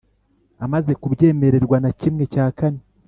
amaze kubyemererwa na kimwe cya kane